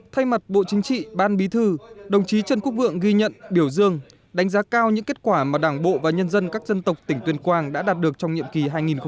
thay mặt bộ chính trị ban bí thư đồng chí trần quốc vượng ghi nhận biểu dương đánh giá cao những kết quả mà đảng bộ và nhân dân các dân tộc tỉnh tuyên quang đã đạt được trong nhiệm kỳ hai nghìn một mươi năm hai nghìn hai mươi